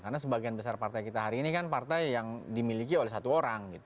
karena sebagian besar partai kita hari ini kan partai yang dimiliki oleh satu orang